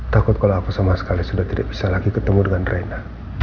takut kalau aku sama sekali sudah tidak bisa lagi ketemu dengan reina